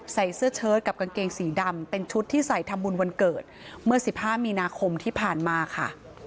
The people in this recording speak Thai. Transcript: ใส่เสื้อเชิดกับกางเกงสีดำเป็นชุดที่ใส่ทำบุญวันเกิดเมื่อ๑๕มีนาคมที่ผ่านมาค่ะ